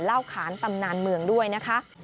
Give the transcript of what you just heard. ขานตำนานเมืองด้วยนะคะ